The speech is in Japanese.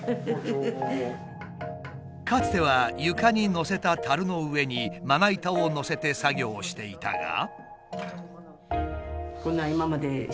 かつては床に載せた樽の上にまな板を載せて作業していたが。